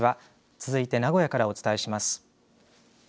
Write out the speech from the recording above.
続いて名古屋からお伝えします。